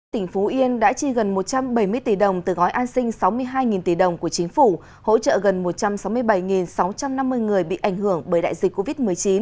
tỉnh phú yên đã chi gần một trăm bảy mươi tỷ đồng từ gói an sinh sáu mươi hai tỷ đồng của chính phủ hỗ trợ gần một trăm sáu mươi bảy sáu trăm năm mươi người bị ảnh hưởng bởi đại dịch covid một mươi chín